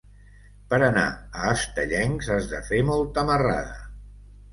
Per anar a Estellencs has de fer molta marrada.